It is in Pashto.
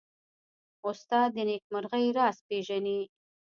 استاد د نېکمرغۍ راز پېژني.